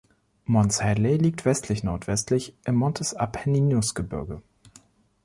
Mons Hadley liegt westlich-nordwestlich im Montes-Apenninus-Gebirge.